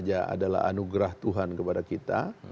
adalah anugerah tuhan kepada kita